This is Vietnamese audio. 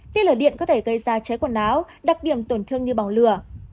tiên lửa điện có thể gây ra cháy quần áo đặc điểm tổn thương như bỏng lửa